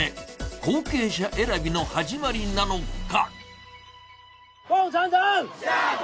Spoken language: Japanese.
後継者選びの始まりなのか。